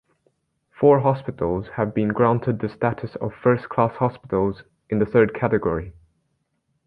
Four hospitals have been granted the status of "first-class hospitals in the third category".